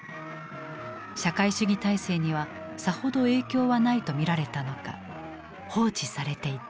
社会主義体制にはさほど影響はないと見られたのか放置されていた。